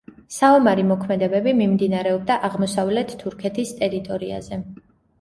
საომარი მოქმედებები მიმდინარეობდა აღმოსავლეთ თურქეთის ტერიტორიაზე.